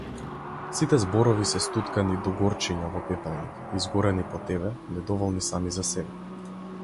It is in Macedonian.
Сите зборови се стуткани догорчиња во пепелник, изгорени по тебе, недоволни сами за себе.